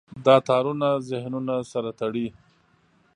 دا تارونه ذهنونه سره تړي.